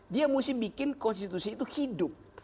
dia mesti bikin konstitusi itu hidup